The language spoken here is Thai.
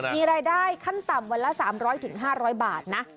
มีรายได้ขั้นต่ำวันละ๓๐๐๕๐๐บาทนะ